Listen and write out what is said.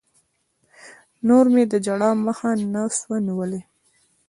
نور مې د ژړا مخه نه سوه نيولى.